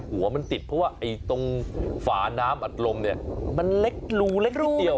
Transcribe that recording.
หัวมันติดเพราะว่าไอ้ตรงฝาน้ำอัดลมเนี่ยมันเล็กรูเล็กนิดเดียว